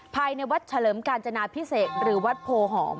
ภายในวัดเฉลิมกาญจนาพิเศษหรือวัดโพหอม